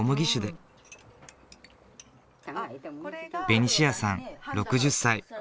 ベニシアさん６０歳。